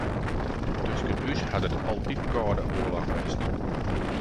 Tusken ús hat it altyd kâlde oarloch west.